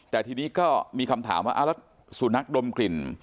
แต่ทีนี้ก็มีคำถามว่าแล้วสุนัขดมกลิ่น